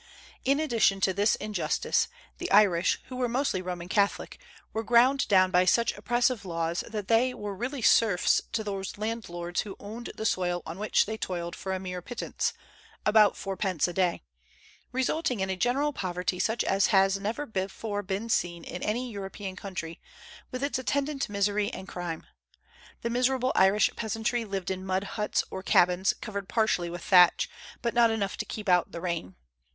In addition to this injustice, the Irish, who were mostly Roman Catholics, were ground down by such oppressive laws that they were really serfs to those landlords who owned the soil on which they toiled for a mere pittance, about fourpence a day, resulting in a general poverty such as has never before been seen in any European country, with its attendant misery and crime. The miserable Irish peasantry lived in mud huts or cabins, covered partially with thatch, but not enough to keep out the rain.